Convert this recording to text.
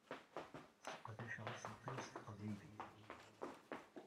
Seqdaceɣ aselkim s teqbaylit.